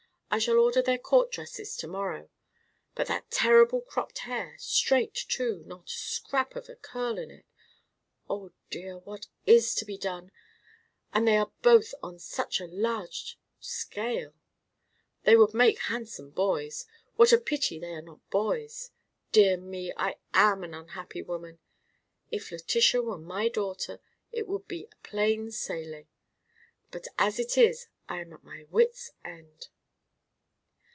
I shall order their court dresses to morrow. But that terrible cropped hair—straight too, not a scrap of curl in it. Oh dear, what is to be done; and they are both on such a large scale? They would make handsome boys. What a pity they are not boys. Dear me, I am an unhappy woman. If Letitia were my daughter, it would be plain sailing, but as it is I am at my wits' end."